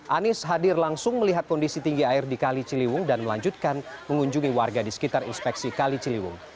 anies hadir langsung melihat kondisi tinggi air di kali ciliwung dan melanjutkan mengunjungi warga di sekitar inspeksi kali ciliwung